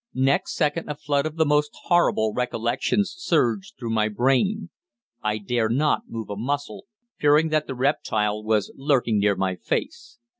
Next second, a flood of the most horrible recollections surged through my brain. I dare not move a muscle, fearing that the reptile was lurking near my face.